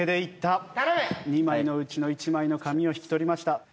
２枚のうちの１枚の紙を引き取りました。